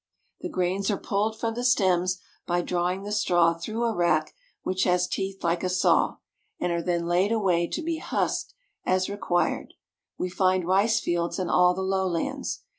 The grains are pulled 84 JAPAN from the stems by drawing the straw through a rack which has teeth like a saw, and are then laid away to be husked as required. We find rice fields in all the lowlands.